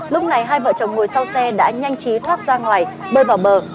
lúc này hai vợ chồng ngồi sau xe đã nhanh chí thoát ra ngoài bơi vào bờ